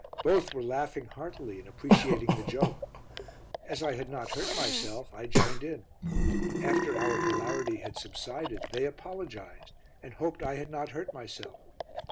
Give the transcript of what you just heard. Both were laughing heartily and appreciating the joke. As I had not hurt myself, I joined in. After our hilarity had subsided they apologised, and hoped I had not hurt myself.